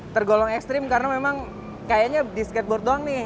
tergolong ekstrim karena memang kayaknya di skateboard doang nih